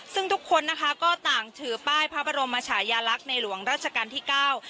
ซึ่งทุกคนนะคะก็ต่างถือป้ายพระบรมชายาลักษณ์ในหลวงราชการที่เก้า